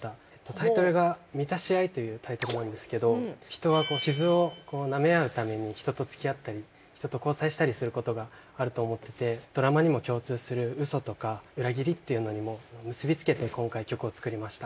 タイトルが『満たし愛』というタイトルなんですけど人は傷をなめ合うために人とつきあったり人と交際したりすることがあると思っててドラマにも共通する嘘とか裏切りっていうのにも結びつけて今回曲を作りました。